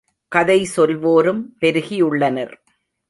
கதை சொல்வோரும் பெருகியுள்ளனர்.